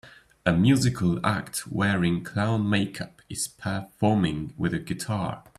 A musical act wearing clown makeup is performing with a guitar